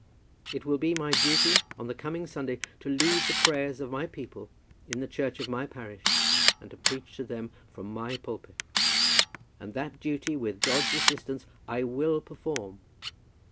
It will be my duty, on the coming Sunday, to lead the prayers of my people in the church of my parish, and to preach to them from my pulpit; and that duty, with God's assistance, I will perform.